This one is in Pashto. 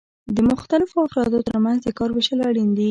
د مختلفو افرادو ترمنځ د کار ویشل اړین دي.